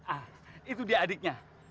ah itu dia adiknya